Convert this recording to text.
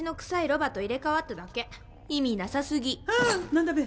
何だべ？